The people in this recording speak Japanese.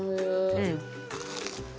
うん。